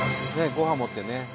ご飯持ってね。